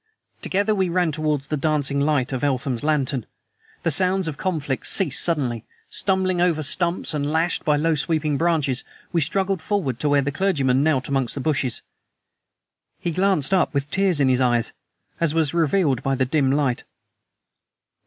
Together we ran towards the dancing light of Eltham's lantern. The sounds of conflict ceased suddenly. Stumbling over stumps and lashed by low sweeping branches, we struggled forward to where the clergyman knelt amongst the bushes. He glanced up with tears in his eyes, as was revealed by the dim light.